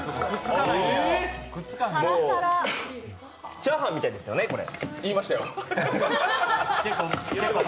チャーハンみたいですよね、これ。